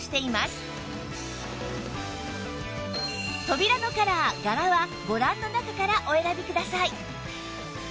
扉のカラー柄はご覧の中からお選びください